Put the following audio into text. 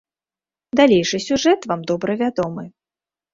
Далейшы сюжэт вам добра вядомы.